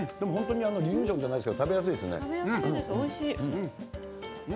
離乳食じゃないけど食べやすいですね。